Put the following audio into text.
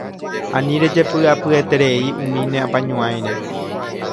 Ani rejepy'apyeterei umi ne apañuáire